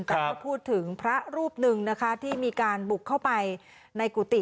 แต่ก็พูดถึงพระรูปหนึ่งนะคะที่มีการบุกเข้าไปในกุฏิ